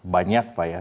banyak pak ya